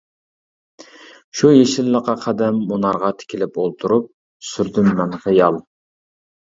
شۇ يېشىللىققا، قەدىم مۇنارغا تىكىلىپ ئولتۇرۇپ سۈردۈم مەن خىيال.